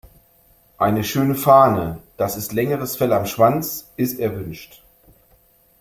Eine schöne "Fahne", das ist längeres Fell am Schwanz, ist erwünscht.